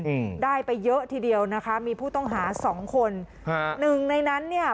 อืมได้ไปเยอะทีเดียวนะคะมีผู้ต้องหาสองคนฮะหนึ่งในนั้นเนี่ย